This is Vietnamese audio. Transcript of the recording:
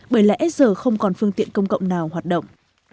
bởi lẽ giờ không còn phương tiện công cộng nào hoạt động